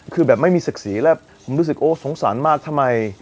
คือแบบไม่มีศักดิ์ศรีแล้วผมรู้สึกโอ้สงสารมากทำไม